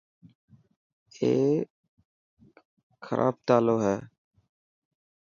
اي خربوت تالو هي.